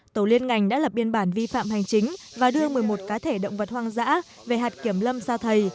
tổ liên ngành đã lập biên bản vi phạm hành chính và đưa một mươi một cá thể động vật hoang dã về hạt kiểm lâm sa thầy